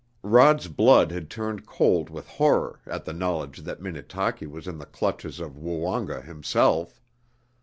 Rod's blood had turned cold with horror at the knowledge that Minnetaki was in the clutches of Woonga himself.